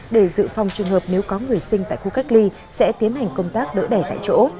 để dự phòng trường hợp nếu có người sinh tại khu cách ly sẽ tiến hành công tác đỡ đẻ tại chỗ